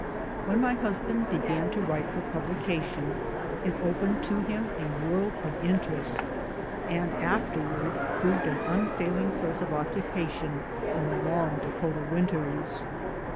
149 CHAPTER XV. When mj husband began to write for publication, it opened to him a world of interest, and afterwards proved an unfailing source of occupation in the long Dakota winters.